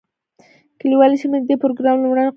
کلیوالي سیمې د دې پروګرام لومړنۍ قربانۍ وې.